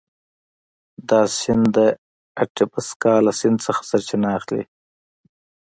دا سیند د اتبسکا له سیند څخه سرچینه اخلي.